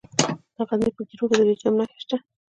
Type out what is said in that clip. د غزني په ګیرو کې د لیتیم نښې شته.